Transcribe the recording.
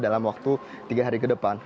dalam waktu tiga hari ke depan